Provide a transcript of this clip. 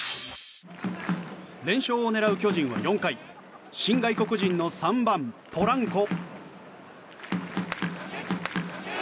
連勝を狙う巨人は４回新外国人の３番、ポランコ。